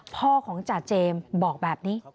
พ่อของจ่าเจมส์บอกแบบนี้